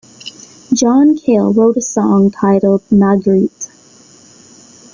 John Cale wrote a song titled "Magritte".